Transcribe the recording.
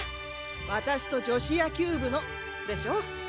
「わたしと女子野球部の」でしょ